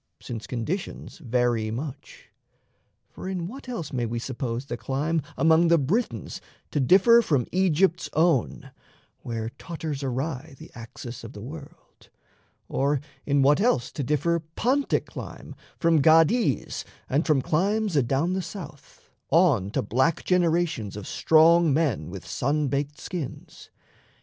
since conditions vary much. For in what else may we suppose the clime Among the Britons to differ from Aegypt's own (Where totters awry the axis of the world), Or in what else to differ Pontic clime From Gades' and from climes adown the south, On to black generations of strong men With sun baked skins?